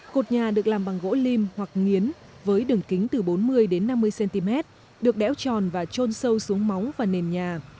cột nhà được làm bằng gỗ lim hoặc nghiến với đường kính từ bốn mươi đến năm mươi cm được đẽo tròn và trôn sâu xuống móng và nền nhà